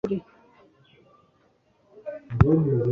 Muri wewe Allayne niwe tubwirana ukuri